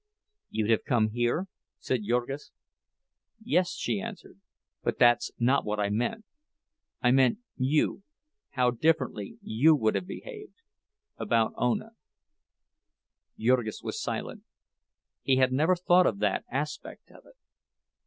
"You'd have come here?" said Jurgis. "Yes," she answered; "but that's not what I meant. I meant you—how differently you would have behaved—about Ona." Jurgis was silent; he had never thought of that aspect of it.